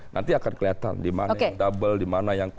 nanti akan kelihatan di mana yang double di mana yang